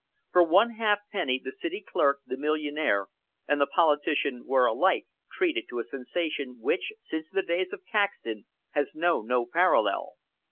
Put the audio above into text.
For one halfpenny, the city clerk, the millionaire, and the politician were alike treated to a sensation which, since the days of Caxton, has known no parallel.